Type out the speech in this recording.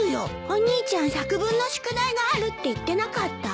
お兄ちゃん作文の宿題があるって言ってなかった？